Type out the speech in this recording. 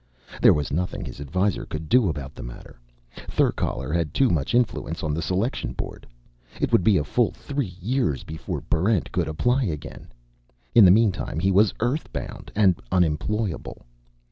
There was nothing his Advisor could do about the matter; Therkaler had too much influence on the Selection Board. It would be a full three years before Barrent could apply again. In the meantime he was Earth bound and unemployable.